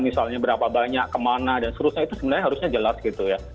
misalnya berapa banyak kemana dan seterusnya itu sebenarnya harusnya jelas gitu ya